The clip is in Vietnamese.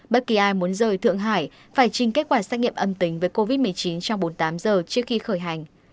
bất kỳ ai muốn rời thượng hải phải trình kết quả xét nghiệm âm tính với covid một mươi chín trong bốn mươi tám giờ trước khi khởi hành